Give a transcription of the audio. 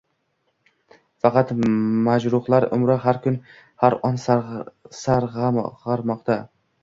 Faqat majruhlar umri har kun, har on sargʻarmoqda